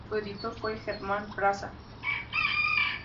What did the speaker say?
Su editor fue Germán Plaza.